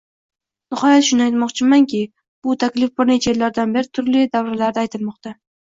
Nihoyat, shuni aytmoqchimanki, bu taklif bir necha yillardan beri turli davralarda aytilmoqda.